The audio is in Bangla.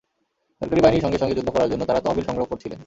সরকারি বাহিনীর সঙ্গে সঙ্গে যুদ্ধ করার জন্য তাঁরা তহবিল সংগ্রহ করছিলেন।